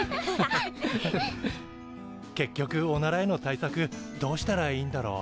結局おならへの対策どうしたらいいんだろう？